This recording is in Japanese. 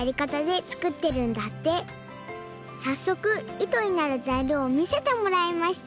さっそくいとになるざいりょうをみせてもらいました